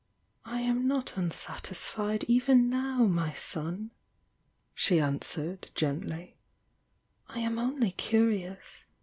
"^ "I am not unsatisfied even now, my son!" she answered, gently— "I am only curiovs!